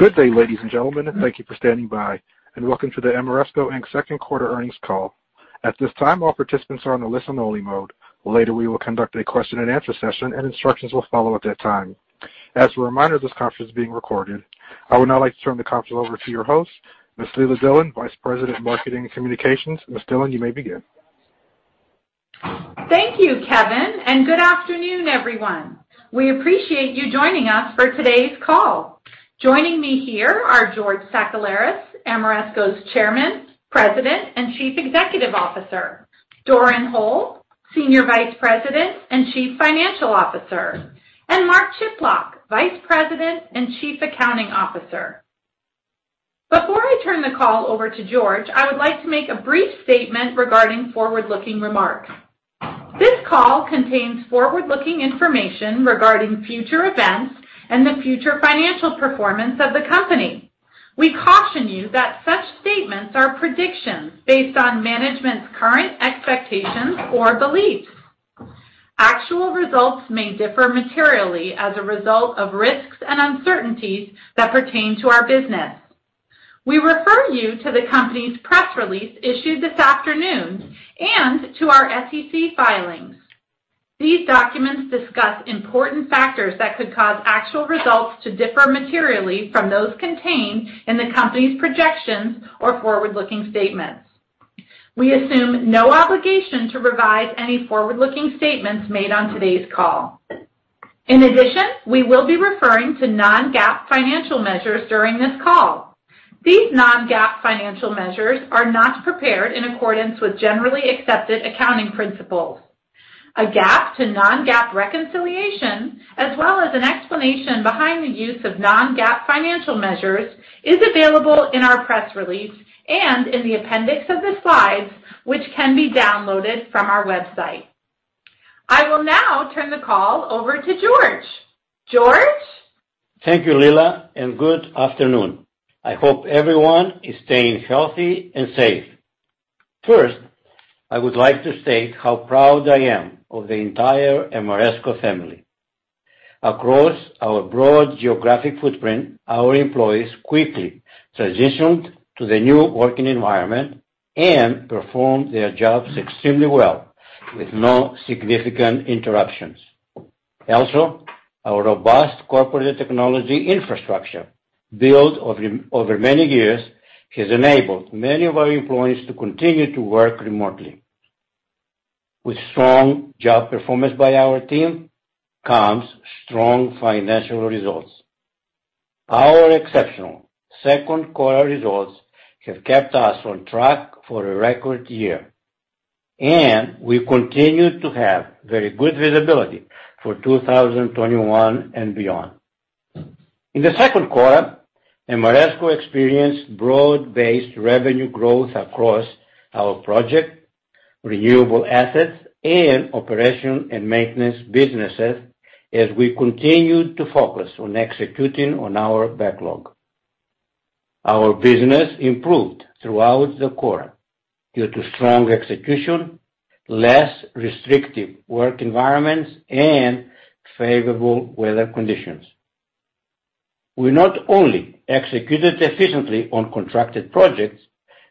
Good day, ladies and gentlemen. Thank you for standing by, and welcome to the Ameresco, Inc. second quarter earnings call. At this time, all participants are on a listen-only mode. Later, we will conduct a question and answer session, and instructions will follow at that time. As a reminder, this conference is being recorded. I would now like to turn the conference over to your host, Ms. Leila Dillon, Vice President of Marketing and Communications. Ms. Dillon, you may begin. Thank you, Kevin, and good afternoon, everyone. We appreciate you joining us for today's call. Joining me here are George Sakellaris, Ameresco's Chairman, President, and Chief Executive Officer, Doran Hole, Senior Vice President and Chief Financial Officer, and Mark Chiplock, Vice President and Chief Accounting Officer. Before I turn the call over to George, I would like to make a brief statement regarding forward-looking remarks. This call contains forward-looking information regarding future events and the future financial performance of the company. We caution you that such statements are predictions based on management's current expectations or beliefs. Actual results may differ materially as a result of risks and uncertainties that pertain to our business. We refer you to the company's press release issued this afternoon and to our SEC filings. These documents discuss important factors that could cause actual results to differ materially from those contained in the company's projections or forward-looking statements. We assume no obligation to revise any forward-looking statements made on today's call. In addition, we will be referring to non-GAAP financial measures during this call. These non-GAAP financial measures are not prepared in accordance with Generally Accepted Accounting Principles. A GAAP to non-GAAP reconciliation, as well as an explanation behind the use of non-GAAP financial measures, is available in our press release and in the appendix of the slides, which can be downloaded from our website. I will now turn the call over to George. George? Thank you, Leila, and good afternoon. I hope everyone is staying healthy and safe. First, I would like to state how proud I am of the entire Ameresco family. Across our broad geographic footprint, our employees quickly transitioned to the new working environment and performed their jobs extremely well, with no significant interruptions. Our robust corporate technology infrastructure, built over many years, has enabled many of our employees to continue to work remotely. With strong job performance by our team comes strong financial results. Our exceptional second quarter results have kept us on track for a record year. We continue to have very good visibility for 2021 and beyond. In the second quarter, Ameresco experienced broad-based revenue growth across our project, renewable assets, and operation and maintenance businesses as we continued to focus on executing on our backlog. Our business improved throughout the quarter due to strong execution, less restrictive work environments, and favorable weather conditions. We not only executed efficiently on contracted projects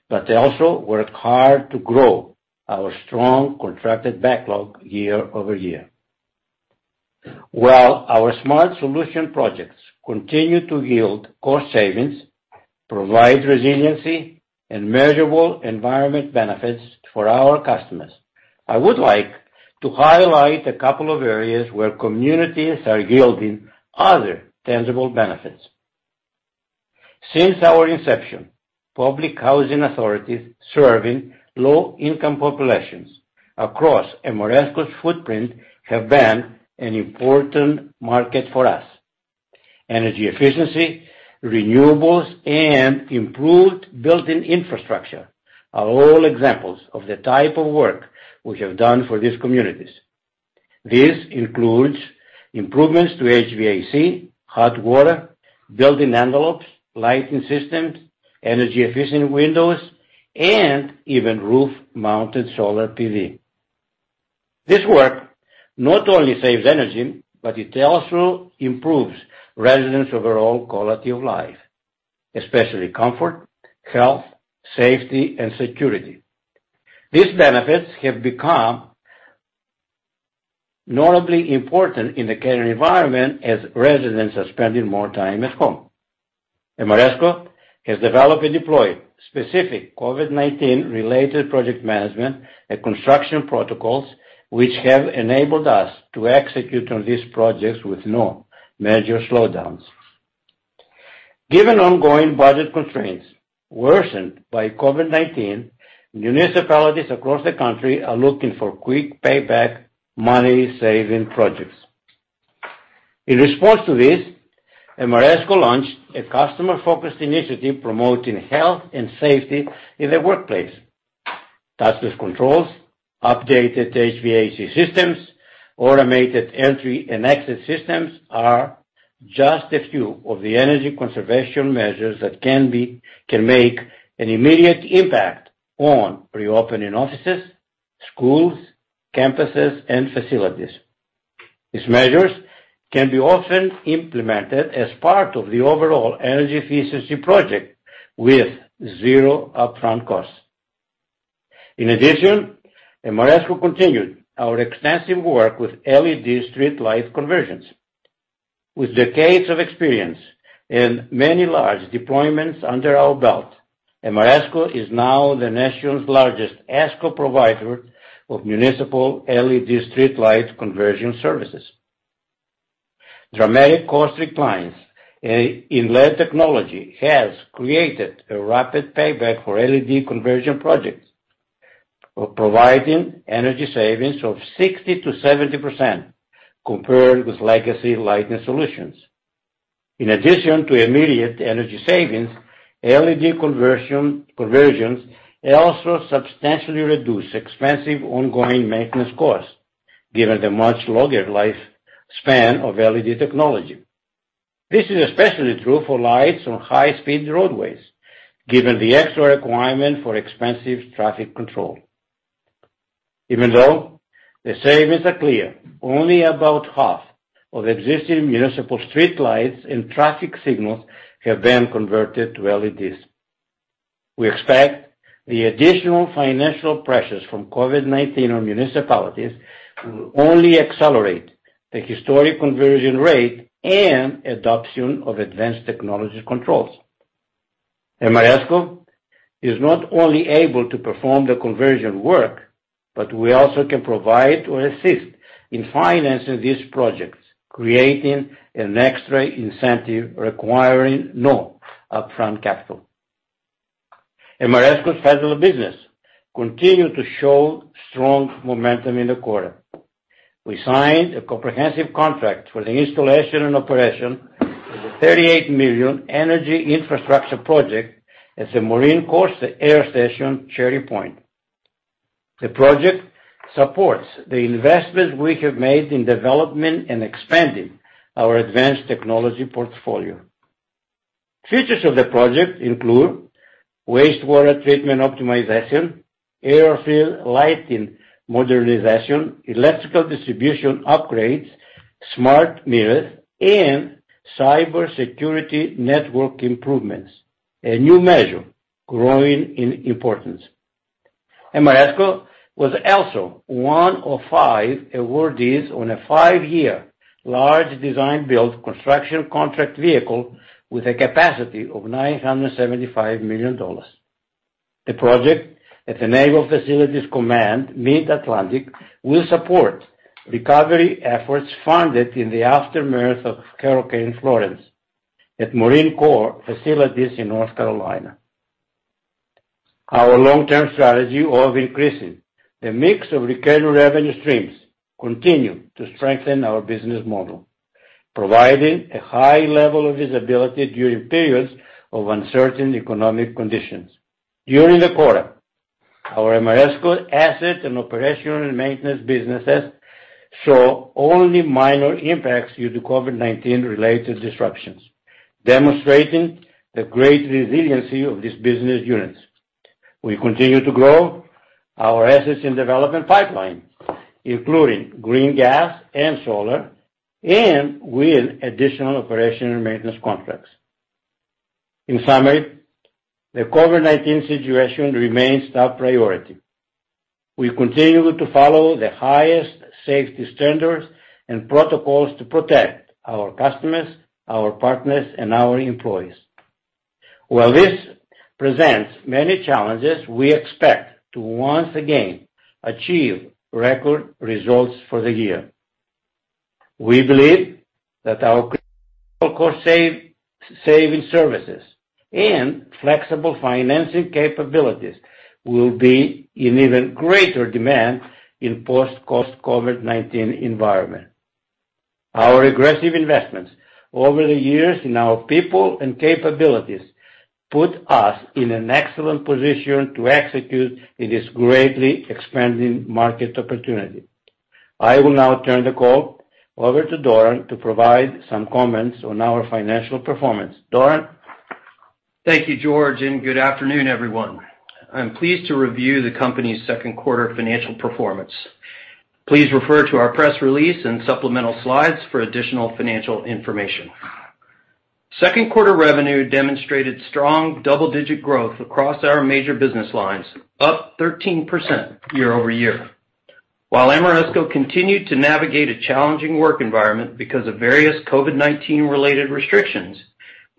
but also worked hard to grow our strong contracted backlog year-over-year. While our smart solution projects continue to yield cost savings, provide resiliency, and measurable environment benefits for our customers, I would like to highlight a couple of areas where communities are yielding other tangible benefits. Since our inception, public housing authorities serving low-income populations across Ameresco's footprint have been an important market for us. Energy efficiency, renewables, and improved building infrastructure are all examples of the type of work we have done for these communities. This includes improvements to HVAC, hot water, building envelopes, lighting systems, energy-efficient windows, and even roof-mounted solar PV. This work not only saves energy, but it also improves residents' overall quality of life, especially comfort, health, safety, and security. These benefits have become notably important in the current environment as residents are spending more time at home. Ameresco has developed and deployed specific COVID-19 related project management and construction protocols, which have enabled us to execute on these projects with no major slowdowns. Given ongoing budget constraints worsened by COVID-19, municipalities across the country are looking for quick payback money-saving projects. In response to this, Ameresco launched a customer-focused initiative promoting health and safety in the workplace. Touchless controls, updated HVAC systems, automated entry and exit systems are just a few of the energy conservation measures that can make an immediate impact on reopening offices, schools, campuses, and facilities. These measures can be often implemented as part of the overall energy efficiency project with zero upfront costs. In addition, Ameresco continued our extensive work with LED streetlight conversions. With decades of experience and many large deployments under our belt, Ameresco is now the nation's largest ESCO provider of municipal LED streetlight conversion services. Dramatic cost declines in LED technology has created a rapid payback for LED conversion projects, providing energy savings of 60%-70% compared with legacy lighting solutions. In addition to immediate energy savings, LED conversions also substantially reduce expensive ongoing maintenance costs, given the much longer life span of LED technology. This is especially true for lights on high-speed roadways, given the extra requirement for expensive traffic control. Even though the savings are clear, only about half of existing municipal streetlights and traffic signals have been converted to LEDs. We expect the additional financial pressures from COVID-19 on municipalities will only accelerate the historic conversion rate and adoption of advanced technology controls. Ameresco is not only able to perform the conversion work, but we also can provide or assist in financing these projects, creating an extra incentive requiring no upfront capital. Ameresco's federal business continued to show strong momentum in the quarter. We signed a comprehensive contract for the installation and operation of the $38 million energy infrastructure project at the Marine Corps Air Station Cherry Point. The project supports the investments we have made in development and expanding our advanced technology portfolio. Features of the project include wastewater treatment optimization, airfield lighting modernization, electrical distribution upgrades, smart meters, and cybersecurity network improvements, a new measure growing in importance. Ameresco was also one of five awardees on a five-year large design-build construction contract vehicle with a capacity of $975 million. The project at the Naval Facilities Command Mid-Atlantic will support recovery efforts funded in the aftermath of Hurricane Florence at Marine Corps facilities in North Carolina. Our long-term strategy of increasing the mix of recurring revenue streams continue to strengthen our business model, providing a high level of visibility during periods of uncertain economic conditions. During the quarter, our Ameresco asset and operation and maintenance businesses saw only minor impacts due to COVID-19 related disruptions, demonstrating the great resiliency of these business units. We continue to grow our assets in development pipeline, including green gas and solar, and with additional operation and maintenance contracts. In summary, the COVID-19 situation remains top priority. We continue to follow the highest safety standards and protocols to protect our customers, our partners, and our employees. While this presents many challenges, we expect to once again achieve record results for the year. We believe that our critical cost saving services and flexible financing capabilities will be in even greater demand in post-COVID-19 environment. Our aggressive investments over the years in our people and capabilities put us in an excellent position to execute in this greatly expanding market opportunity. I will now turn the call over to Doran to provide some comments on our financial performance. Doran? Thank you, George, and good afternoon, everyone. I'm pleased to review the company's second quarter financial performance. Please refer to our press release and supplemental slides for additional financial information. Second quarter revenue demonstrated strong double-digit growth across our major business lines, up 13% year-over-year. While Ameresco continued to navigate a challenging work environment because of various COVID-19 related restrictions,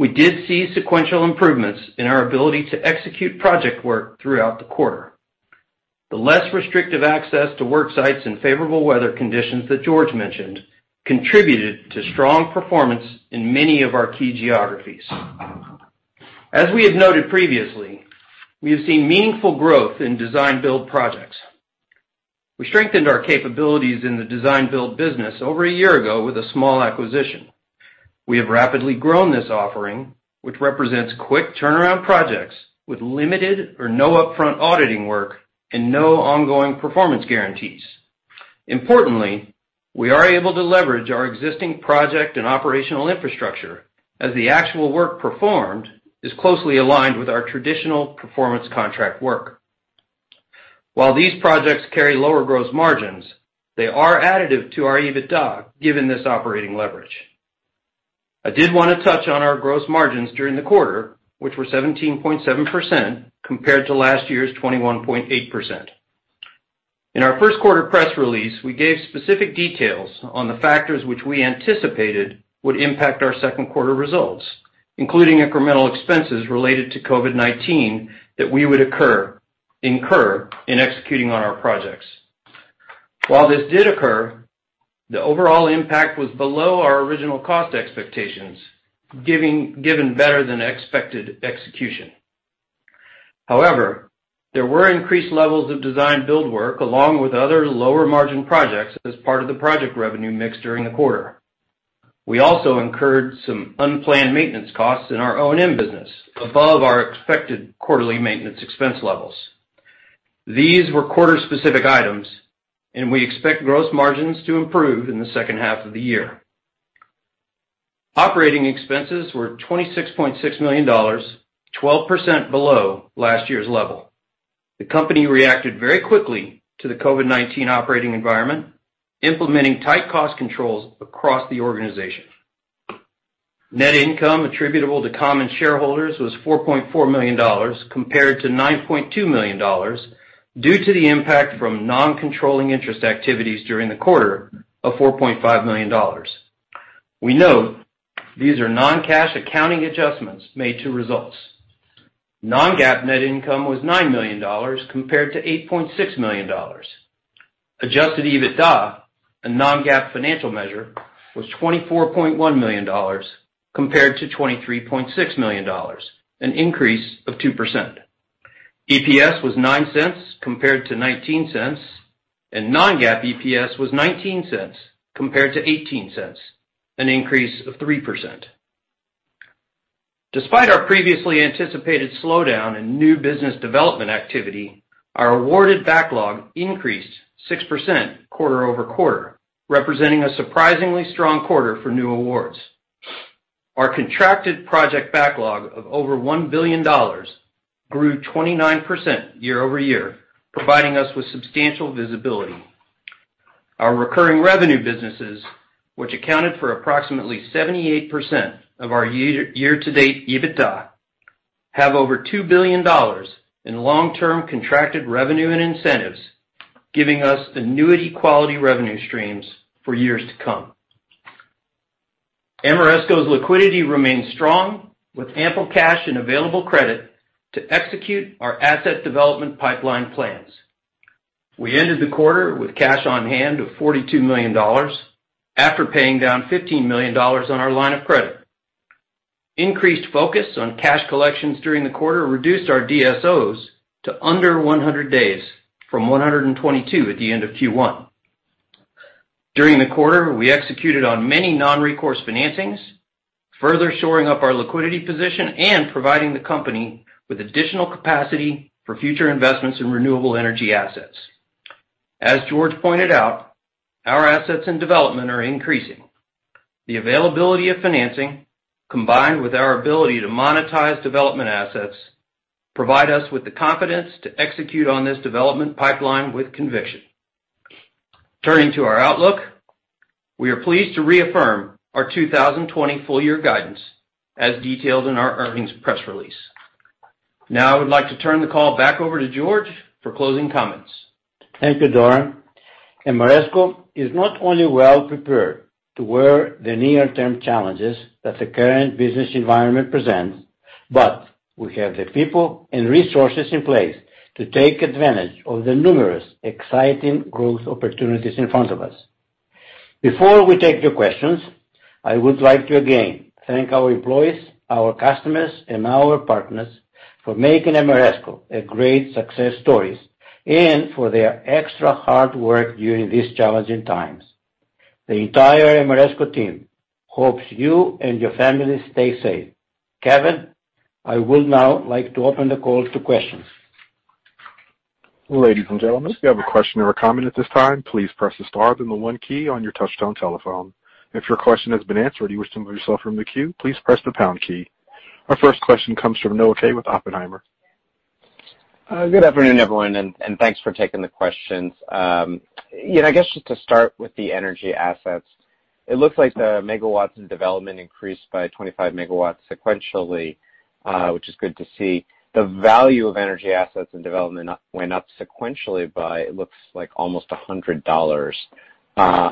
we did see sequential improvements in our ability to execute project work throughout the quarter. The less restrictive access to work sites and favorable weather conditions that George mentioned contributed to strong performance in many of our key geographies. As we have noted previously, we have seen meaningful growth in design-build projects. We strengthened our capabilities in the design-build business over one year ago with a small acquisition. We have rapidly grown this offering, which represents quick turnaround projects with limited or no upfront auditing work and no ongoing performance guarantees. We are able to leverage our existing project and operational infrastructure as the actual work performed is closely aligned with our traditional performance contract work. These projects carry lower gross margins, they are additive to our EBITDA, given this operating leverage. I did want to touch on our gross margins during the quarter, which were 17.7% compared to last year's 21.8%. In our first quarter press release, we gave specific details on the factors which we anticipated would impact our second quarter results, including incremental expenses related to COVID-19 that we would incur in executing on our projects. This did occur, the overall impact was below our original cost expectations, given better than expected execution. However, there were increased levels of design-build work along with other lower margin projects as part of the project revenue mix during the quarter. We also incurred some unplanned maintenance costs in our O&M business above our expected quarterly maintenance expense levels. These were quarter specific items, and we expect gross margins to improve in the second half of the year. Operating expenses were $26.6 million, 12% below last year's level. The company reacted very quickly to the COVID-19 operating environment, implementing tight cost controls across the organization. Net income attributable to common shareholders was $4.4 million compared to $9.2 million, due to the impact from non-controlling interest activities during the quarter of $4.5 million. We note these are non-cash accounting adjustments made to results. Non-GAAP net income was $9 million compared to $8.6 million. Adjusted EBITDA, a non-GAAP financial measure, was $24.1 million compared to $23.6 million, an increase of 2%. EPS was $0.09 compared to $0.19, and non-GAAP EPS was $0.19 compared to $0.18, an increase of 3%. Despite our previously anticipated slowdown in new business development activity, our awarded backlog increased 6% quarter-over-quarter, representing a surprisingly strong quarter for new awards. Our contracted project backlog of over $1 billion grew 29% year-over-year, providing us with substantial visibility. Our recurring revenue businesses, which accounted for approximately 78% of our year-to-date EBITDA, have over $2 billion in long-term contracted revenue and incentives, giving us annuity quality revenue streams for years to come. Ameresco's liquidity remains strong with ample cash and available credit to execute our asset development pipeline plans. We ended the quarter with cash on hand of $42 million after paying down $15 million on our line of credit. Increased focus on cash collections during the quarter reduced our DSOs to under 100 days from 122 at the end of Q1. During the quarter, we executed on many non-recourse financings, further shoring up our liquidity position and providing the company with additional capacity for future investments in renewable energy assets. As George pointed out, our assets and development are increasing. The availability of financing, combined with our ability to monetize development assets, provide us with the confidence to execute on this development pipeline with conviction. Turning to our outlook, we are pleased to reaffirm our 2020 full year guidance as detailed in our earnings press release. Now I would like to turn the call back over to George for closing comments. Thank you, Doran. Ameresco is not only well prepared to weather the near-term challenges that the current business environment presents, but we have the people and resources in place to take advantage of the numerous exciting growth opportunities in front of us. Before we take your questions, I would like to again thank our employees, our customers, and our partners for making Ameresco a great success stories and for their extra hard work during these challenging times. The entire Ameresco team hopes you and your family stay safe. Kevin, I will now like to open the call to questions. Ladies and gentlemen, if you have a question or a comment at this time, please press the star then the 1 key on your touch-tone telephone. If your question has been answered and you wish to remove yourself from the queue, please press the pound key. Our first question comes from Noah Kaye with Oppenheimer. Good afternoon, everyone. Thanks for taking the questions. I guess just to start with the energy assets, it looks like the MW in development increased by 25 MW sequentially, which is good to see. The value of energy assets in development went up sequentially by, it looks like almost $100 million.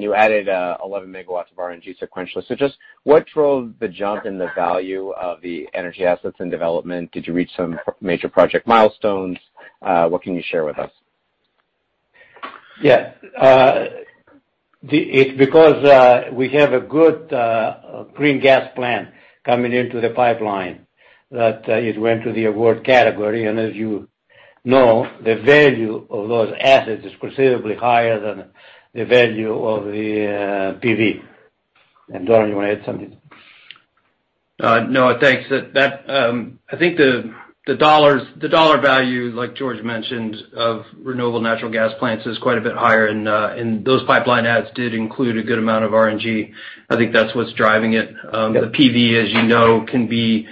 You added 11 MW of RNG sequentially. Just what drove the jump in the value of the energy assets in development? Did you reach some major project milestones? What can you share with us? Yeah. It's because we have a good green gas plan coming into the pipeline, that it went to the award category. As you know, the value of those assets is considerably higher than the value of the PV. Doran, you want to add something? Noah, thanks. I think the dollar value, like George mentioned, of renewable natural gas plants is quite a bit higher, and those pipeline adds did include a good amount of RNG. I think that's what's driving it. Yeah. The PV, as you know, can be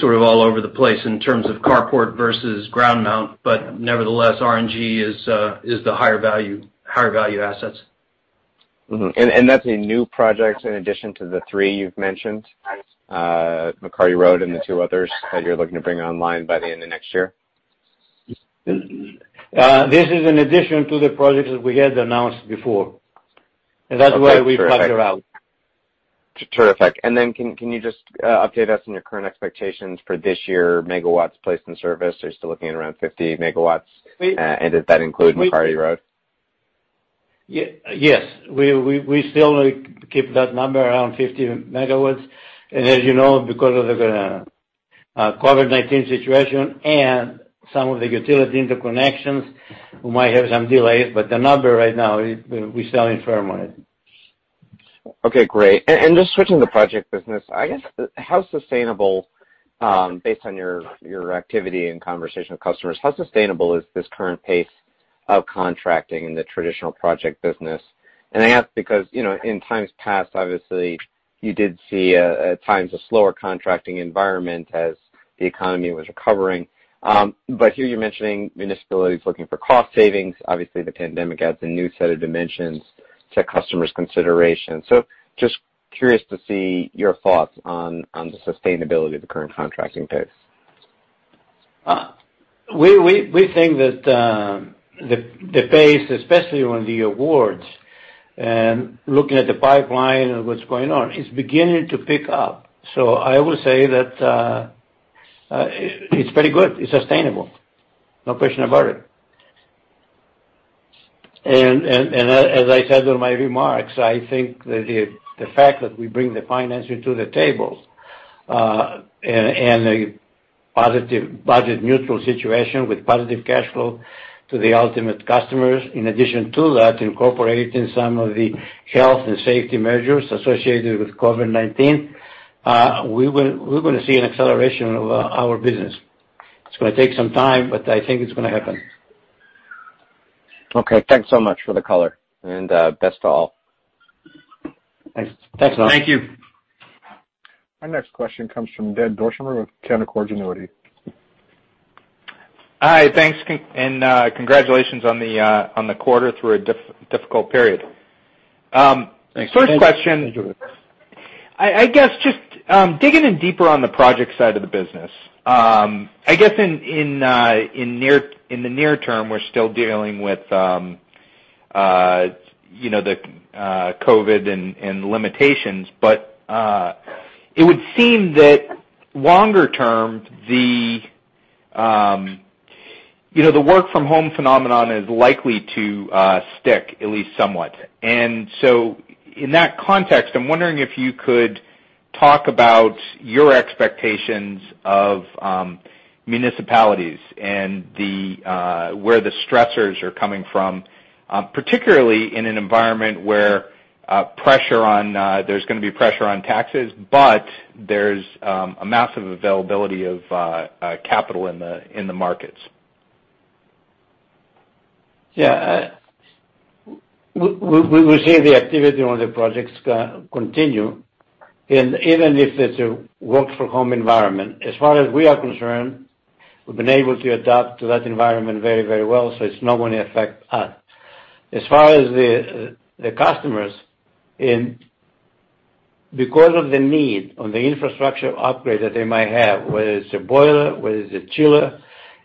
sort of all over the place in terms of carport versus ground mount. Nevertheless, RNG is the higher value assets. Mm-hmm. That's a new project in addition to the three you've mentioned, McCarty Road and the two others that you're looking to bring online by the end of next year? This is in addition to the projects that we had announced before. That's why we factor out. Terrific. Then can you just update us on your current expectations for this year, MW placed in service? Are you still looking at around 50 MW? Does that include McCarty Road? Yes. We still keep that number around 50 MW. As you know, because of the COVID-19 situation and some of the utility interconnections, we might have some delays, but the number right now, we're still firm on it. Okay, great. Just switching the project business, I guess, how sustainable, based on your activity and conversation with customers, how sustainable is this current pace of contracting in the traditional project business? I ask because, in times past, obviously, you did see, at times, a slower contracting environment as the economy was recovering. Here you're mentioning municipalities looking for cost savings. Obviously, the pandemic adds a new set of dimensions to customers' consideration. Just curious to see your thoughts on the sustainability of the current contracting pace. We think that the pace, especially on the awards, looking at the pipeline and what's going on, is beginning to pick up. I will say that it's pretty good. It's sustainable. No question about it. As I said on my remarks, I think that the fact that we bring the financing to the table, and a positive budget neutral situation with positive cash flow to the ultimate customers, in addition to that, incorporating some of the health and safety measures associated with COVID-19, we're going to see an acceleration of our business. It's going to take some time, but I think it's going to happen. Okay. Thanks so much for the color, and best to all. Thanks. Thanks, Noah. Thank you. Our next question comes from Jed Dorsheimer of Canaccord Genuity. Hi, thanks. Congratulations on the quarter through a difficult period. Thanks. First question, I guess just digging in deeper on the project side of the business. I guess in the near term, we're still dealing with the COVID and limitations. It would seem that longer term, the work from home phenomenon is likely to stick, at least somewhat. In that context, I'm wondering if you could talk about your expectations of municipalities and where the stressors are coming from, particularly in an environment where there's going to be pressure on taxes, but there's a massive availability of capital in the markets. Yeah. We will see the activity on the projects continue, even if it's a work from home environment. As far as we are concerned, we've been able to adapt to that environment very well, so it's not going to affect us. As far as the customers, because of the need on the infrastructure upgrade that they might have, whether it's a boiler, whether it's a chiller,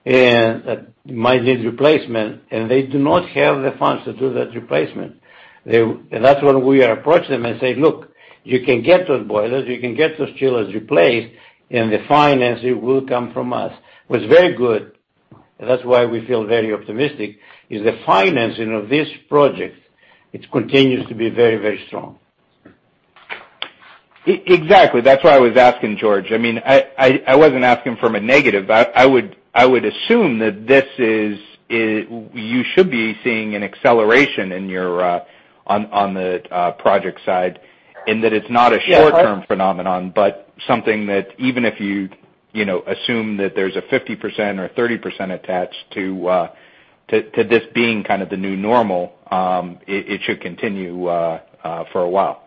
that might need replacement, and they do not have the funds to do that replacement. That's when we approach them and say, "Look, you can get those boilers, you can get those chillers replaced, and the financing will come from us." What's very good, that's why we feel very optimistic, is the financing of this project, it continues to be very strong. Exactly. That's why I was asking, George. I wasn't asking from a negative. I would assume that you should be seeing an acceleration on the project side, and that it's not a short-term phenomenon, but something that even if you assume that there's a 50% or 30% attached to this being kind of the new normal, it should continue for a while.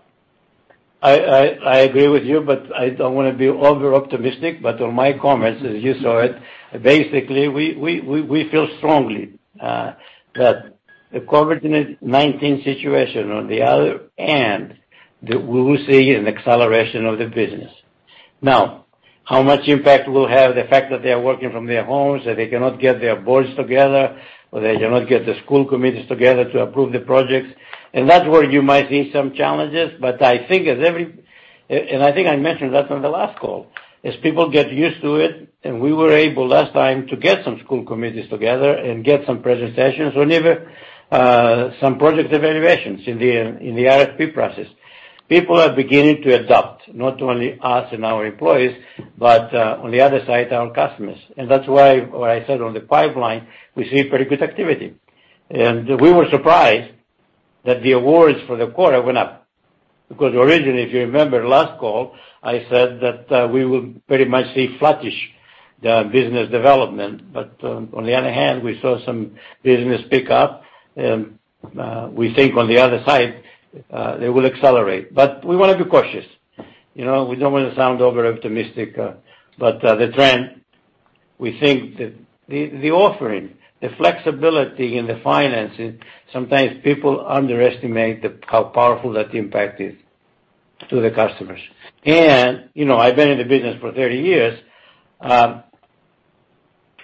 I agree with you, but I don't want to be over-optimistic, but on my comments, as you saw it, basically, we feel strongly that the COVID-19 situation, on the other hand, that we will see an acceleration of the business. Now, how much impact will it have, the fact that they are working from their homes, that they cannot get their boards together, or they cannot get the school committees together to approve the projects? That's where you might see some challenges. I think I mentioned that on the last call, as people get used to it, and we were able last time to get some school committees together and get some presentations or some project evaluations in the RFP process. People are beginning to adopt, not only us and our employees, but on the other side, our customers. That's why I said on the pipeline, we see very good activity. We were surprised that the awards for the quarter went up. Originally, if you remember last call, I said that we will pretty much see flattish business development. On the other hand, we saw some business pick up. We think on the other side, they will accelerate. We want to be cautious. We don't want to sound over-optimistic. The trend, we think that the offering, the flexibility in the financing, sometimes people underestimate how powerful that impact is to the customers. I've been in the business for 30 years,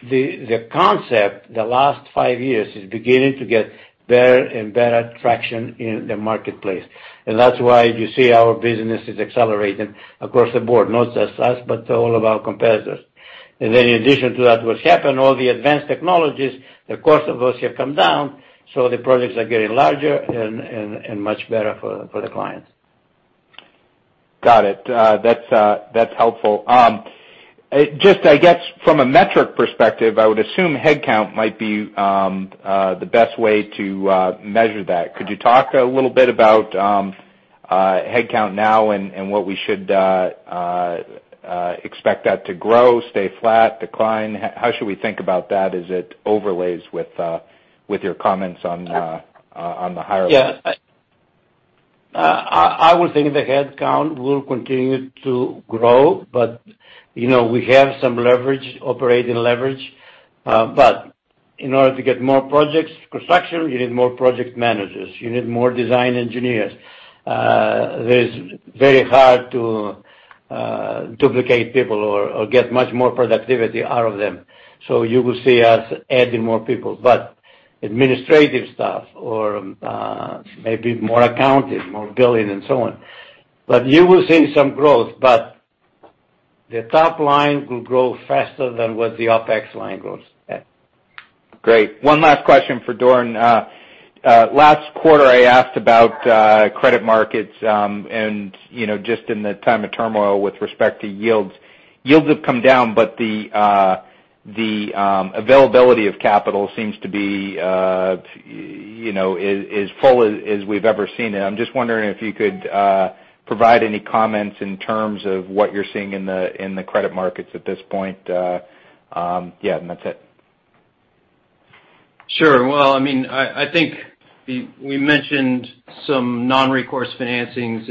the concept the last five years is beginning to get better and better traction in the marketplace. That's why you see our business is accelerating across the board, not just us, but all of our competitors. In addition to that, what's happened, all the advanced technologies, the cost of those have come down, so the projects are getting larger and much better for the clients. Got it. That's helpful. Just, I guess from a metric perspective, I would assume headcount might be the best way to measure that. Could you talk a little bit about headcount now and what we should expect that to grow, stay flat, decline? How should we think about that as it overlays with your comments on the hires? Yeah. I would think the headcount will continue to grow, but we have some leverage, operating leverage. In order to get more projects construction, you need more project managers. You need more design engineers. It is very hard to duplicate people or get much more productivity out of them. You will see us adding more people. Administrative staff or maybe more accounting, more billing and so on. You will see some growth, but the top line will grow faster than what the OpEx line grows at. Great. One last question for Doran. Last quarter I asked about credit markets, just in the time of turmoil with respect to yields. Yields have come down, the availability of capital seems to be as full as we've ever seen it. I'm just wondering if you could provide any comments in terms of what you're seeing in the credit markets at this point. Yeah, that's it. Sure. Well, I think we mentioned some non-recourse financings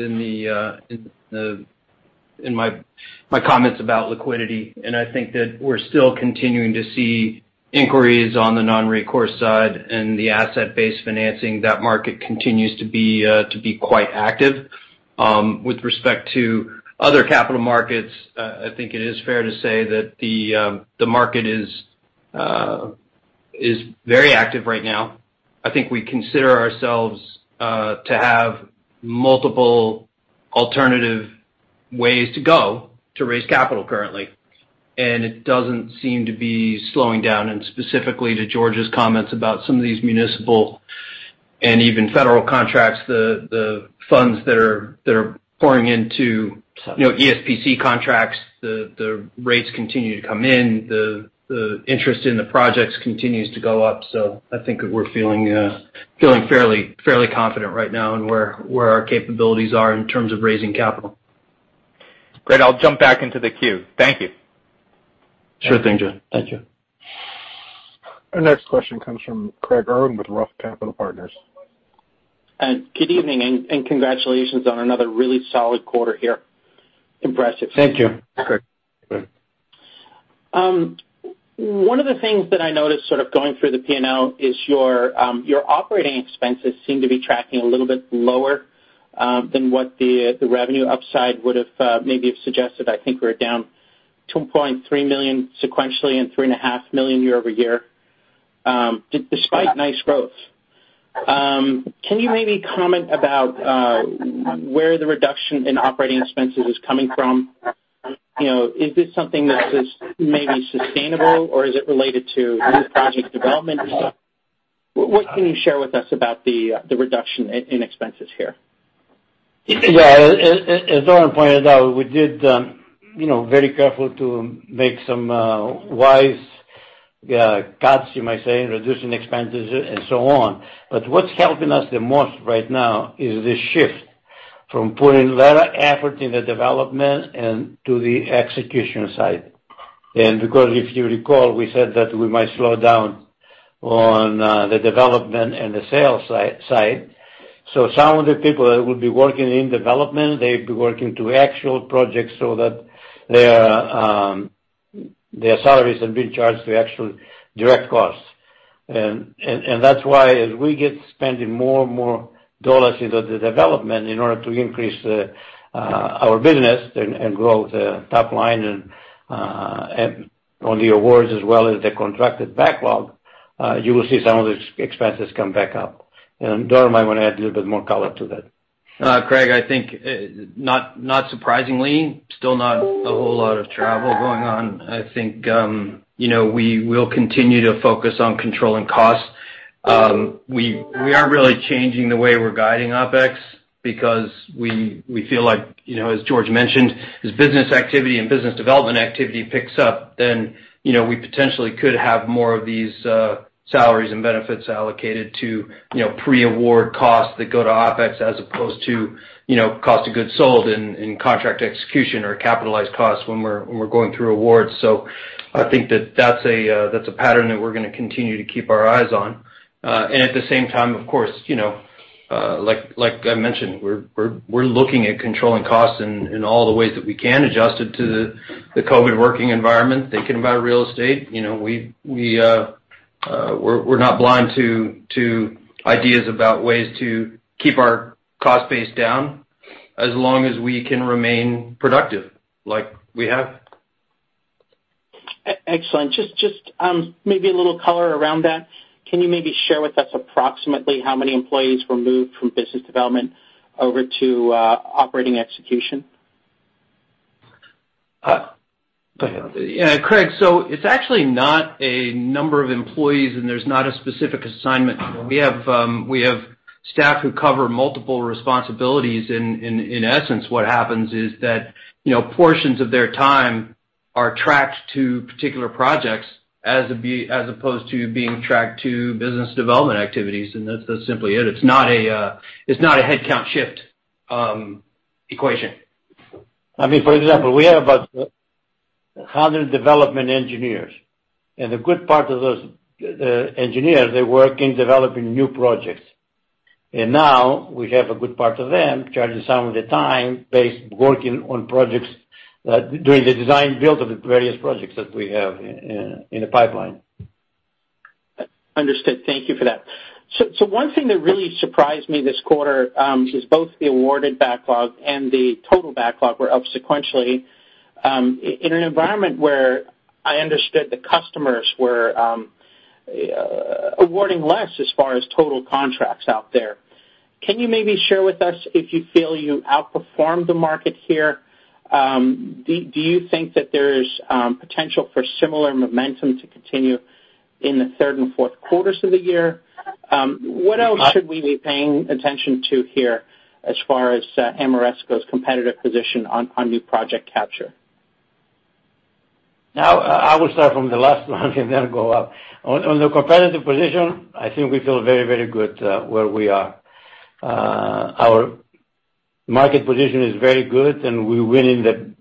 in my comments about liquidity, and I think that we're still continuing to see inquiries on the non-recourse side and the asset-based financing. That market continues to be quite active. With respect to other capital markets, I think it is fair to say that the market is very active right now. I think we consider ourselves to have multiple alternative ways to go to raise capital currently, and it doesn't seem to be slowing down. Specifically to George's comments about some of these municipal and even federal contracts, the funds that are pouring into ESPC contracts, the rates continue to come in, the interest in the projects continues to go up. I think that we're feeling fairly confident right now in where our capabilities are in terms of raising capital. Great. I'll jump back into the queue. Thank you. Sure thing, Jed. Thank you. Our next question comes from Craig Irwin with ROTH Capital Partners. Good evening, and congratulations on another really solid quarter here. Impressive. Thank you. Thank you. One of the things that I noticed sort of going through the P&L is your operating expenses seem to be tracking a little bit lower than what the revenue upside would have maybe have suggested. I think we're down $2.3 million sequentially and $ three and a half million year-over-year, despite nice growth. Can you maybe comment about where the reduction in operating expenses is coming from? Is this something that is maybe sustainable or is it related to new project development? What can you share with us about the reduction in expenses here? Yeah. As Doran pointed out, we did very careful to make some wise cuts, you might say, in reducing expenses and so on. What's helping us the most right now is the shift from putting a lot of effort in the development and to the execution side. Because if you recall, we said that we might slow down on the development and the sales side. Some of the people that would be working in development, they'd be working to actual projects so that their salaries are being charged to actual direct costs. That's why as we get spending more and more dollars into the development in order to increase our business and grow the top line and on the awards as well as the contracted backlog, you will see some of these expenses come back up. Doran might want to add a little bit more color to that. Craig, I think not surprisingly, still not a whole lot of travel going on. I think we will continue to focus on controlling costs. We aren't really changing the way we're guiding OpEx. Because we feel like, as George mentioned, as business activity and business development activity picks up, then we potentially could have more of these salaries and benefits allocated to pre-award costs that go to OpEx as opposed to cost of goods sold in contract execution or capitalized costs when we're going through awards. I think that's a pattern that we're going to continue to keep our eyes on. At the same time, of course, like I mentioned, we're looking at controlling costs in all the ways that we can, adjusted to the COVID working environment, thinking about real estate. We're not blind to ideas about ways to keep our cost base down as long as we can remain productive like we have. Excellent. Just maybe a little color around that. Can you maybe share with us approximately how many employees were moved from business development over to operating execution? Go ahead. Yeah, Craig, it's actually not a number of employees. There's not a specific assignment. We have staff who cover multiple responsibilities, and in essence, what happens is that portions of their time are tracked to particular projects as opposed to being tracked to business development activities, and that's simply it. It's not a headcount shift equation. I mean, for example, we have about 100 development engineers, and a good part of those engineers, they work in developing new projects. Now we have a good part of them charging some of the time based working on projects during the design-build of the various projects that we have in the pipeline. Understood. Thank you for that. One thing that really surprised me this quarter is both the awarded backlog and the total backlog were up sequentially in an environment where I understood the customers were awarding less as far as total contracts out there. Can you maybe share with us if you feel you outperformed the market here? Do you think that there is potential for similar momentum to continue in the third and fourth quarters of the year? What else should we be paying attention to here as far as Ameresco's competitive position on new project capture? I will start from the last one and then go up. On the competitive position, I think we feel very, very good where we are. Our market position is very good, and we're winning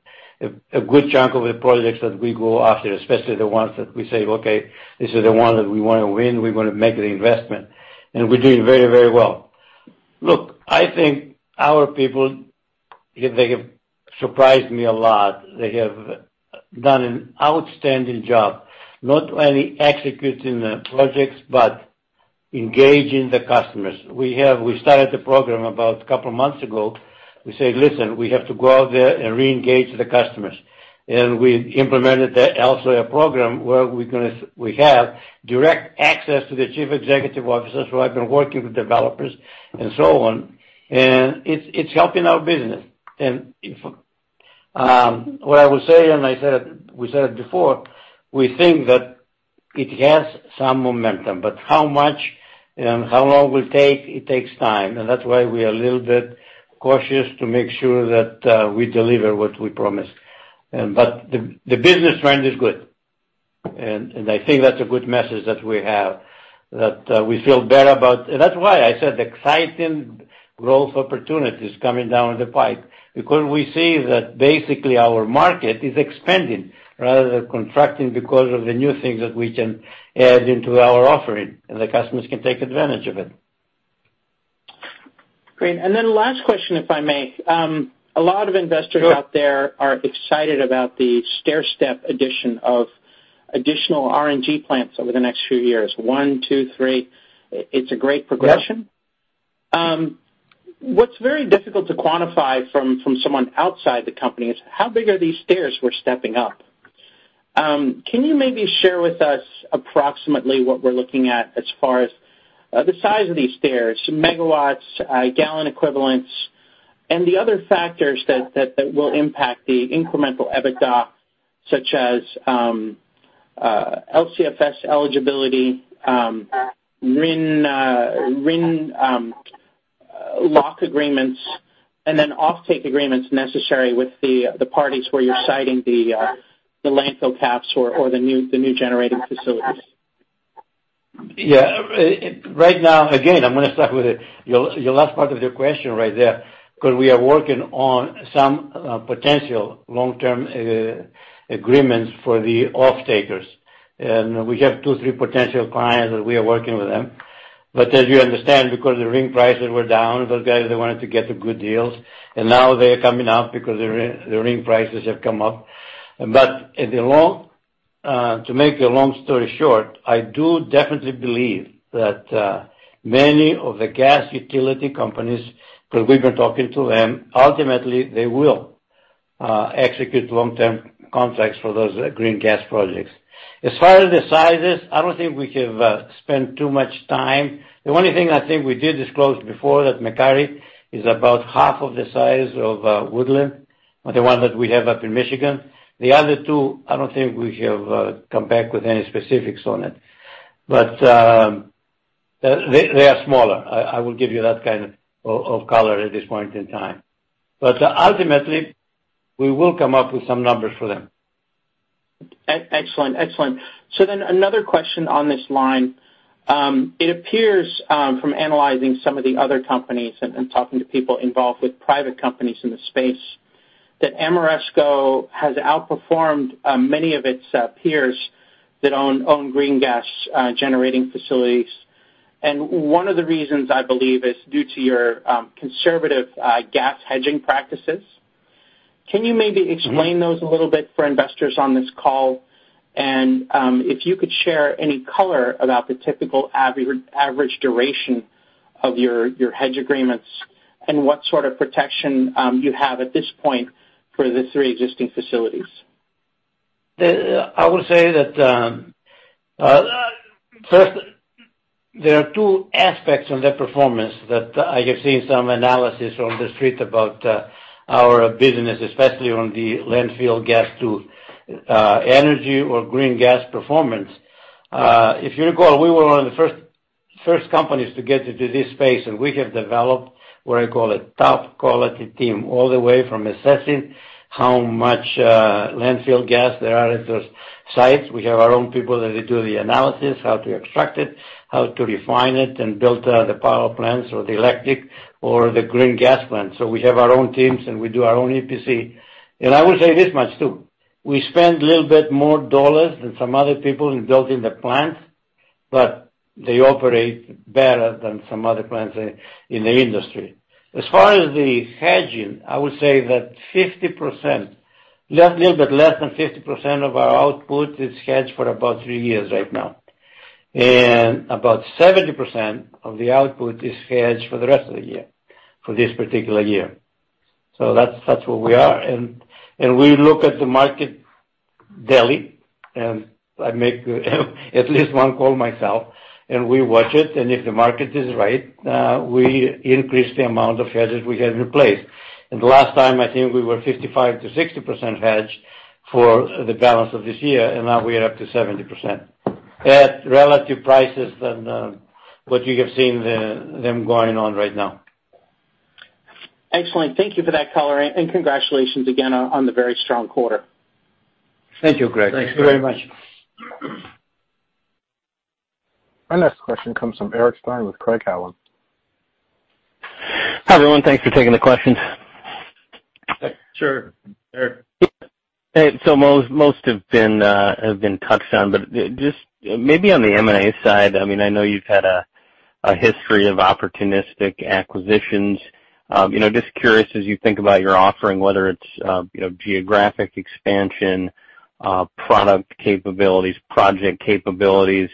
a good chunk of the projects that we go after, especially the ones that we say, "Okay, this is the one that we want to win. We want to make the investment." We're doing very, very well. Look, I think our people, they have surprised me a lot. They have done an outstanding job, not only executing the projects, but engaging the customers. We started the program about a couple of months ago. We said, "Listen, we have to go out there and reengage the customers." We implemented also a program where we have direct access to the chief executive officers who have been working with developers and so on. It's helping our business. What I will say, and we said it before, we think that it has some momentum, but how much and how long will it take? It takes time, and that's why we are a little bit cautious to make sure that we deliver what we promise. The business trend is good, and I think that's a good message that we have, that we feel better about. That's why I said exciting growth opportunities coming down the pipe, because we see that basically our market is expanding rather than contracting because of the new things that we can add into our offering, and the customers can take advantage of it. Great. Last question, if I may. A lot of investors Sure out there are excited about the stairstep addition of additional RNG plants over the next few years. One, two, three. It's a great progression. Yeah. What's very difficult to quantify from someone outside the company is how big are these stairs we're stepping up? Can you maybe share with us approximately what we're looking at as far as the size of these stairs, MW, gallon equivalents, and the other factors that will impact the incremental EBITDA, such as LCFS eligibility, RIN lock agreements, and then offtake agreements necessary with the parties where you're siting the landfill CAPS or the new generating facilities? Yeah. Right now, again, I'm going to start with your last part of your question right there, because we are working on some potential long-term agreements for the offtakers, and we have two, three potential clients, and we are working with them. As you understand, because the RIN prices were down, those guys, they wanted to get the good deals, and now they're coming up because the RIN prices have come up. To make a long story short, I do definitely believe that many of the gas utility companies, because we've been talking to them, ultimately they will execute long-term contracts for those green gas projects. As far as the sizes, I don't think we have spent too much time. The only thing I think we did disclose before that McCarty is about half of the size of Woodland, the one that we have up in Michigan. The other two, I don't think we have come back with any specifics on it. They are smaller. I will give you that kind of color at this point in time. Ultimately, we will come up with some numbers for them. Excellent. Another question on this line. It appears from analyzing some of the other companies and talking to people involved with private companies in the space, that Ameresco has outperformed many of its peers that own green gas generating facilities. One of the reasons I believe is due to your conservative gas hedging practices. Can you maybe explain those a little bit for investors on this call? If you could share any color about the typical average duration of your hedge agreements and what sort of protection you have at this point for the three existing facilities. I will say that, first, there are two aspects on their performance that I have seen some analysis on the street about our business, especially on the landfill gas to energy or green gas performance. If you recall, we were one of the first companies to get into this space, and we have developed what I call a top-quality team, all the way from assessing how much landfill gas there are at those sites. We have our own people that do the analysis, how to extract it, how to refine it, and build the power plants or the electric or the green gas plant. We have our own teams, and we do our own EPC. I will say this much too, we spend a little bit more dollars than some other people in building the plants, but they operate better than some other plants in the industry. As far as the hedging, I would say that 50%, a little bit less than 50% of our output is hedged for about three years right now. About 70% of the output is hedged for the rest of the year, for this particular year. That's where we are. We look at the market daily, and I make at least one call myself, and we watch it, and if the market is right, we increase the amount of hedges we have in place. The last time, I think we were 55%-60% hedged for the balance of this year, and now we are up to 70%, at relative prices than what you have seen them going on right now. Excellent. Thank you for that color, and congratulations again on the very strong quarter. Thank you, Craig. Thanks very much. Our next question comes from Eric Stine with Craig-Hallum. Hi, everyone. Thanks for taking the questions. Sure, Eric. Most have been touched on, but just maybe on the M&A side. I know you've had a history of opportunistic acquisitions. Just curious, as you think about your offering, whether it's geographic expansion, product capabilities, project capabilities,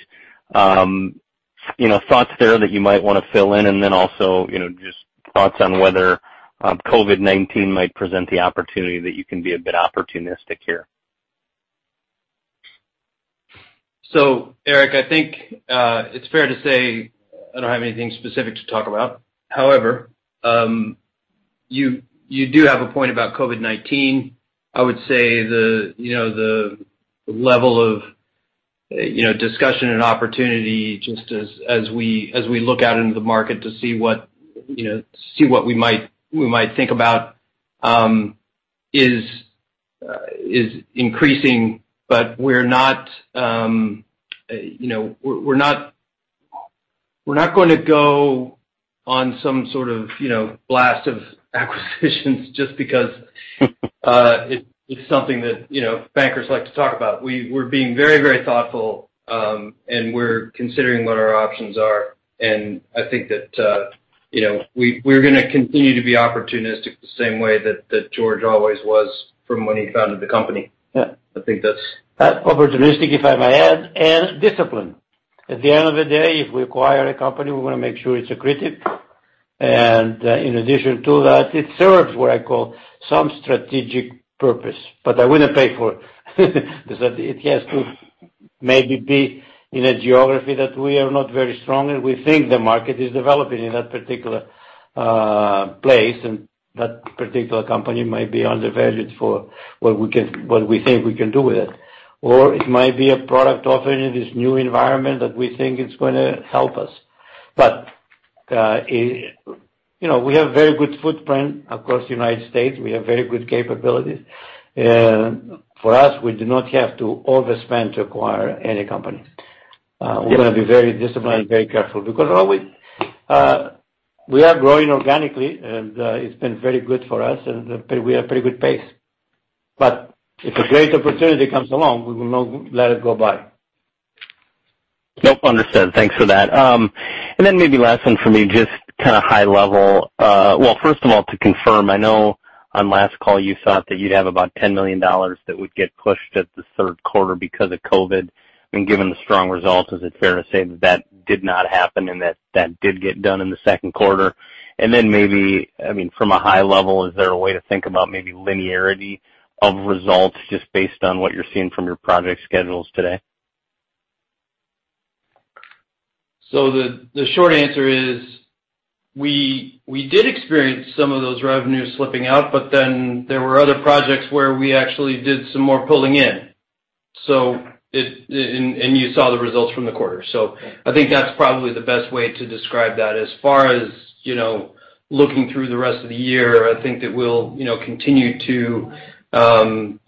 thoughts there that you might want to fill in, and then also, just thoughts on whether COVID-19 might present the opportunity that you can be a bit opportunistic here. Eric, I think, it's fair to say I don't have anything specific to talk about. However, you do have a point about COVID-19. I would say the level of discussion and opportunity, just as we look out into the market to see what we might think about, is increasing, but we're not going to go on some sort of blast of acquisitions just because it's something that bankers like to talk about. We're being very, very thoughtful, and we're considering what our options are, and I think that we're going to continue to be opportunistic the same way that George always was from when he founded the company. Yeah. I think that's Opportunistic, if I may add, and disciplined. At the end of the day, if we acquire a company, we want to make sure it's accretive. In addition to that, it serves what I call some strategic purpose. I wouldn't pay for it. It has to maybe be in a geography that we are not very strong and we think the market is developing in that particular place and that particular company might be undervalued for what we think we can do with it. It might be a product offering in this new environment that we think it's going to help us. We have very good footprint across the United States. We have very good capabilities. For us, we do not have to overspend to acquire any company. We're going to be very disciplined, very careful, because we are growing organically, and it's been very good for us, and we are at pretty good pace. If a great opportunity comes along, we will not let it go by. Nope, understood. Thanks for that. Maybe last one for me, just high level. Well, first of all, to confirm, I know on last call, you thought that you'd have about $10 million that would get pushed at the third quarter because of COVID-19. Given the strong results, is it fair to say that that did not happen and that did get done in the second quarter? Maybe, from a high level, is there a way to think about maybe linearity of results just based on what you're seeing from your project schedules today? The short answer is, we did experience some of those revenues slipping out, but then there were other projects where we actually did some more pulling in. You saw the results from the quarter. I think that's probably the best way to describe that. As far as looking through the rest of the year, I think that we'll continue to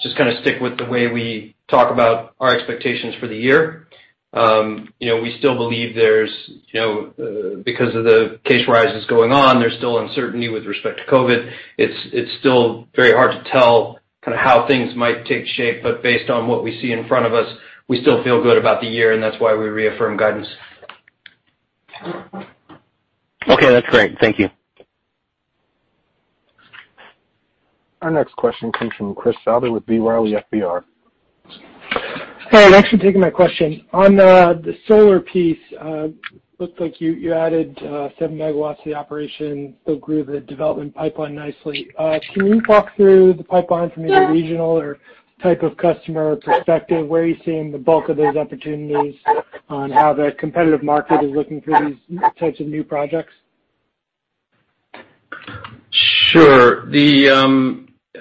just stick with the way we talk about our expectations for the year. We still believe because of the case rises going on, there's still uncertainty with respect to COVID. It's still very hard to tell how things might take shape. Based on what we see in front of us, we still feel good about the year, and that's why we reaffirm guidance. Okay. That's great. Thank you. Our next question comes from Christopher Souther with B. Riley FBR. Thanks. Thanks for taking my question. On the solar piece, looked like you added 7 MW to the operation, still grew the development pipeline nicely. Can you talk through the pipeline from a regional or type of customer perspective, where are you seeing the bulk of those opportunities on how the competitive market is looking for these types of new projects? Sure.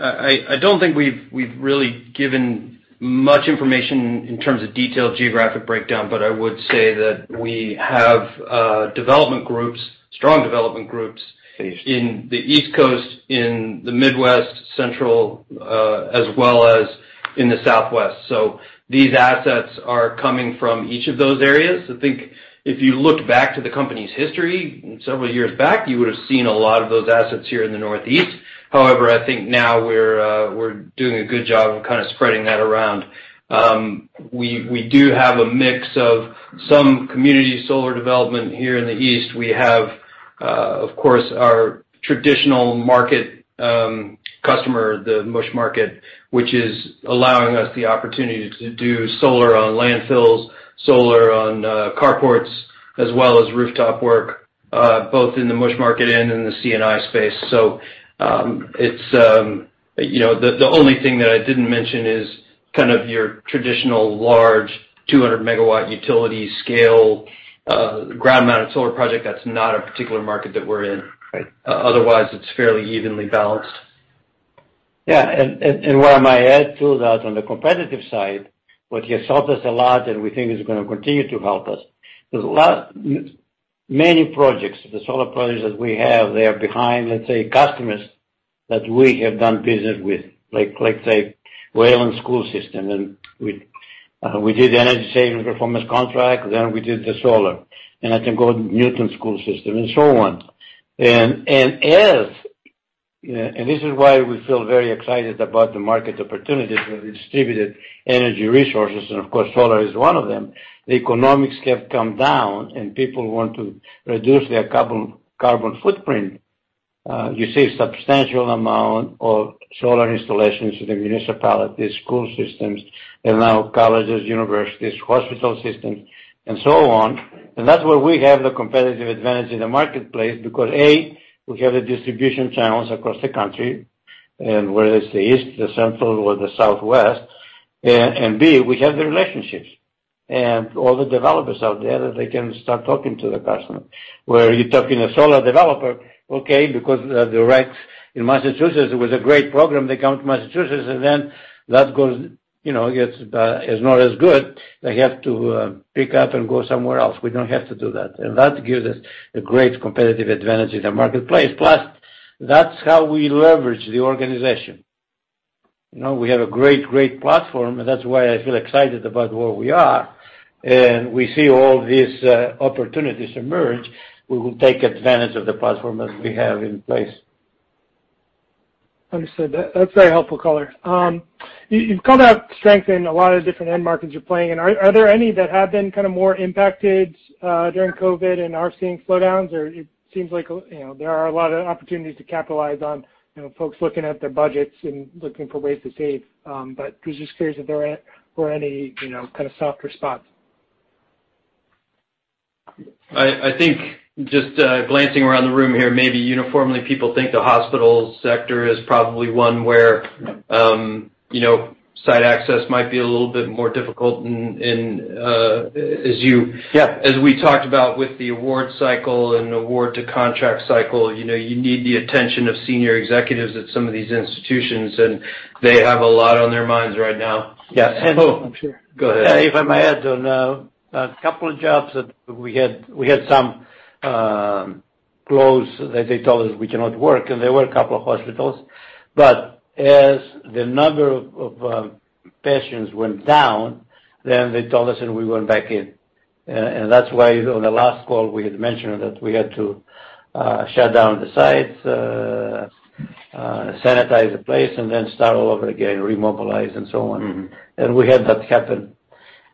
I don't think we've really given much information in terms of detailed geographic breakdown, but I would say that we have strong development groups in the East Coast, in the Midwest, Central, as well as in the Southwest. These assets are coming from each of those areas. I think if you look back to the company's history several years back, you would've seen a lot of those assets here in the Northeast. However, I think now we're doing a good job of spreading that around. We do have a mix of some community solar development here in the East. We have, of course, our traditional market customer, the MUSH market, which is allowing us the opportunity to do solar on landfills, solar on carports, as well as rooftop work, both in the MUSH market and in the C&I space. The only thing that I didn't mention is your traditional large 200 MW utility scale ground-mounted solar project. That's not a particular market that we're in. Right. Otherwise, it's fairly evenly balanced. Yeah, where I might add to that, on the competitive side, what has helped us a lot and we think is going to continue to help us, many projects, the solar projects that we have, they are behind, let's say, customers that we have done business with like, let's say, Wayland Public Schools, and we did the energy savings performance contract, then we did the solar. I can go Newton Public Schools and so on. This is why we feel very excited about the market opportunities with distributed energy resources, and of course, solar is one of them. The economics have come down, and people want to reduce their carbon footprint. You see a substantial amount of solar installations in the municipalities, school systems, and now colleges, universities, hospital systems, and so on. That's where we have the competitive advantage in the marketplace because, A, we have the distribution channels across the country, and whether it's the East, the Central, or the Southwest, and B, we have the relationships. All the developers out there that they can start talking to the customer. Where you're talking a solar developer, okay, because the RECs in Massachusetts, it was a great program. They come to Massachusetts, and then that is not as good. They have to pick up and go somewhere else. We don't have to do that. That gives us a great competitive advantage in the marketplace. Plus, that's how we leverage the organization. We have a great platform, and that's why I feel excited about where we are. We see all these opportunities emerge. We will take advantage of the platform that we have in place. Understood. That's very helpful color. You've called out strength in a lot of different end markets you're playing in. Are there any that have been more impacted during COVID and are seeing slowdowns? It seems like there are a lot of opportunities to capitalize on folks looking at their budgets and looking for ways to save. Just curious if there were any kind of soft response. I think just glancing around the room here, maybe uniformly, people think the hospital sector is probably one where site access might be a little bit more difficult. Yeah. As we talked about with the award cycle and award to contract cycle, you need the attention of senior executives at some of these institutions, and they have a lot on their minds right now. Yes. Oh. I'm sure. Go ahead. If I may add on a couple of jobs that we had some close that they told us we cannot work, and there were a couple of hospitals. As the number of patients went down, then they told us, and we went back in. That's why on the last call, we had mentioned that we had to shut down the sites, sanitize the place, and then start all over again, remobilize, and so on. We had that happen.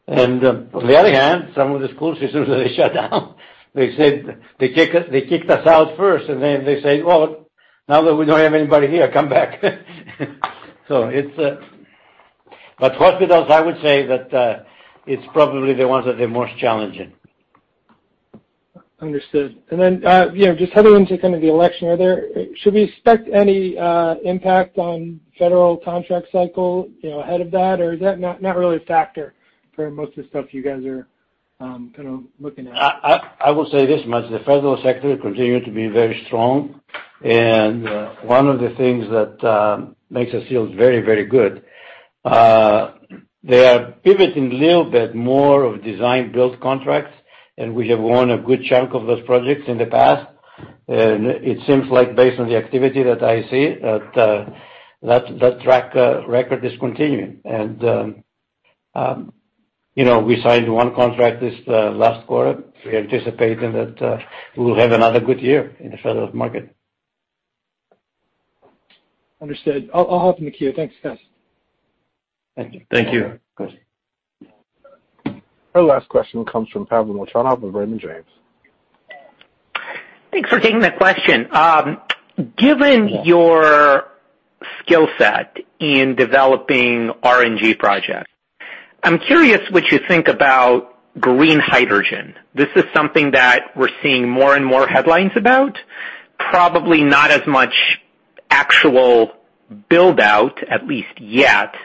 On the other hand, some of the school systems, they shut down. They kicked us out first, and then they say, "Well, now that we don't have anybody here, come back." Hospitals, I would say that it's probably the ones that are the most challenging. Understood. Just heading into the election, should we expect any impact on federal contract cycle ahead of that? Is that not really a factor for most of the stuff you guys are looking at? I will say this much. The federal sector continued to be very strong. One of the things that makes us feel very, very good, they are pivoting a little bit more of design-build contracts, and we have won a good chunk of those projects in the past. It seems like based on the activity that I see, that track record is continuing. We signed one contract this last quarter. We are anticipating that we will have another good year in the federal market. Understood. I'll hop in the queue. Thanks, guys. Thank you. Thank you. Of course. Our last question comes from Pavel Molchanov with Raymond James. Thanks for taking the question. Given your skill set in developing RNG projects, I'm curious what you think about green hydrogen. This is something that we're seeing more and more headlines about, probably not as much actual build-out, at least yet,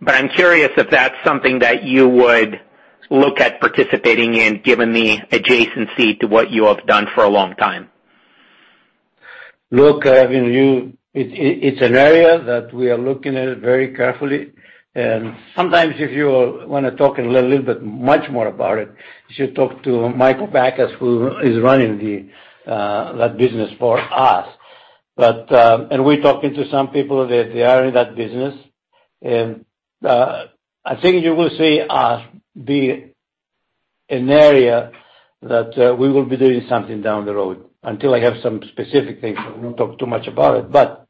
but I'm curious if that's something that you would look at participating in given the adjacency to what you have done for a long time. It's an area that we are looking at it very carefully. Sometimes if you want to talk a little bit much more about it, you should talk to Michael Bakas, who is running that business for us. We're talking to some people that they are in that business. I think you will see us be an area that we will be doing something down the road. Until I have some specific things, I won't talk too much about it.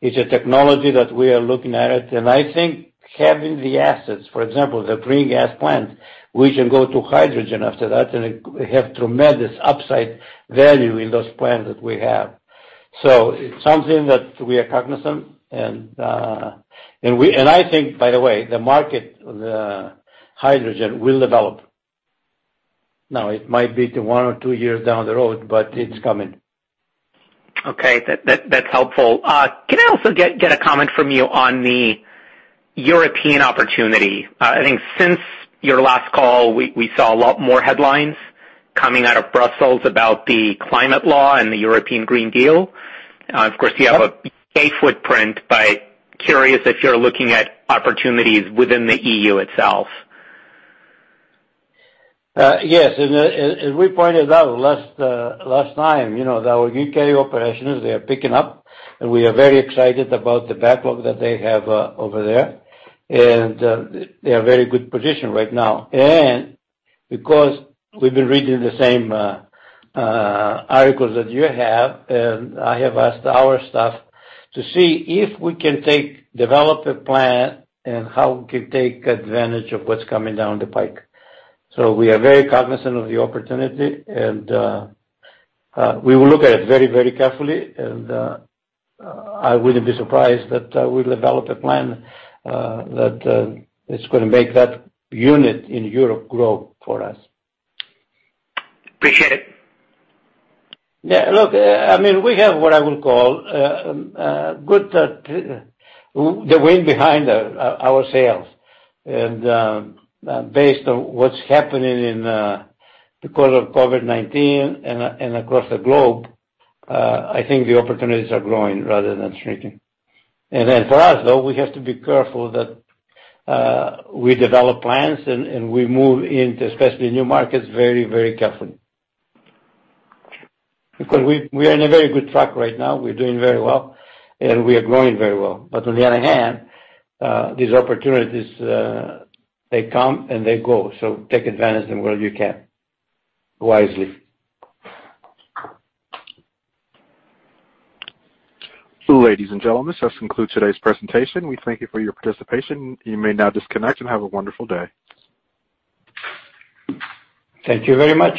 It's a technology that we are looking at, and I think having the assets, for example, the pre-gas plant, we can go to hydrogen after that, and it have tremendous upside value in those plants that we have. It's something that we are cognizant. I think, by the way, the market, the hydrogen will develop. Now, it might be to one or two years down the road, but it's coming. Okay. That's helpful. Can I also get a comment from you on the European opportunity? I think since your last call, we saw a lot more headlines coming out of Brussels about the climate law and the European Green Deal. Of course, you have a U.K. footprint, but curious if you're looking at opportunities within the EU itself. Yes. We pointed out last time, our U.K. operations, they are picking up, and we are very excited about the backlog that they have over there. They are very good position right now. Because we've been reading the same articles that you have, and I have asked our staff to see if we can develop a plan, and how we can take advantage of what's coming down the pike. We are very cognizant of the opportunity, and we will look at it very, very carefully. I wouldn't be surprised that we develop a plan that is going to make that unit in Europe grow for us. Appreciate it. Yeah, look, we have what I would call the wind behind our sails. Based on what's happening because of COVID-19 and across the globe, I think the opportunities are growing rather than shrinking. Then for us, though, we have to be careful that we develop plans and we move into, especially new markets, very, very carefully. We are in a very good track right now. We're doing very well, and we are growing very well. On the other hand, these opportunities, they come, and they go, so take advantage of them where you can, wisely. Ladies and gentlemen, this concludes today's presentation. We thank you for your participation. You may now disconnect, and have a wonderful day. Thank you very much.